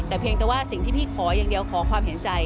แต่เพียงแต่ว่าสิ่งที่พี่ขออย่างเดียวขอความเห็นใจ